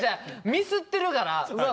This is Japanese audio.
ミスってるからうわ